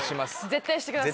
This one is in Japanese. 絶対してください。